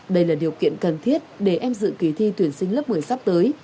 đây là điều kiện cần thiết để em dự kỳ thi tuyển sinh lớp một mươi sắp tới